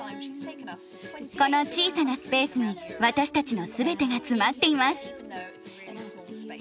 この小さなスペースに私たちの全てが詰まっています。